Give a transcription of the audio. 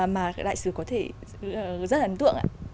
mà đại sứ có thể rất ấn tượng